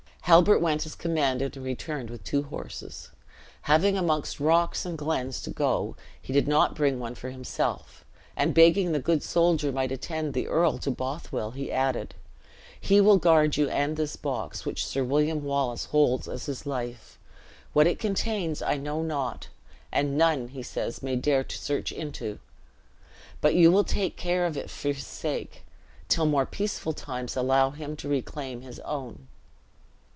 Halbert went as commanded, and returned with two horses. Having amongst rocks and glens to go, he did not bring one for himself; and begging the good soldier might attend the earl to Bothwell, he added, "He will guard you and this box, which Sir William Wallace holds as his life. What it contains I know not: and none, he says, may dare to search into. But you will take care of it for his sake, till more peaceful times allow him to reclaim his own!"